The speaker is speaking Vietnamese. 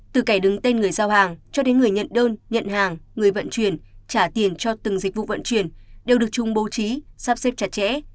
từ kẻ đứng tên người giao hàng cho đến người nhận đơn nhận hàng người vận chuyển trả tiền cho từng dịch vụ vận chuyển đều được chung bố trí sắp xếp chặt chẽ